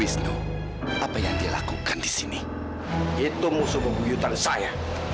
sampai jumpa di video selanjutnya